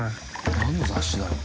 なんの雑誌だろう？